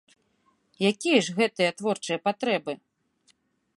Якія ж гэтыя творчыя патрэбы?